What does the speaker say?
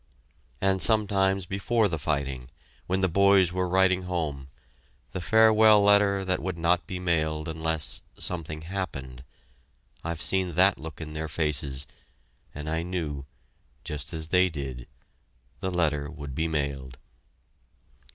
And sometimes before the fighting, when the boys were writing home, the farewell letter that would not be mailed unless "something happened" I've seen that look in their faces, and I knew... just as they did... the letter would be mailed!